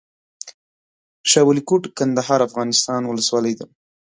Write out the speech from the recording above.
شاه ولي کوټ، کندهار افغانستان ولسوالۍ ده